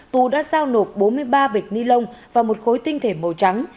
tú đã sao nộp bốn mươi ba vịt ni lông và một khối tinh thể màu trắng